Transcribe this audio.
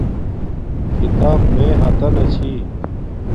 کھیتاپ میے ہاتانہ چھی